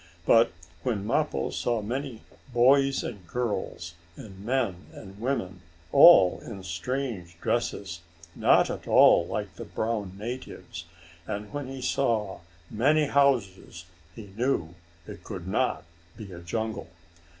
But when Mappo saw many boys and girls, and men and women, all in strange dresses, not at all like the brown natives, and when he saw many houses, he knew it could not be a jungle.